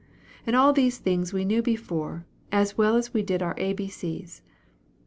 and all these things we knew before, as well as we did our A B C's.